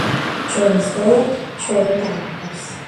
ჩვენი სკოლა ჩვენით ამაყობს!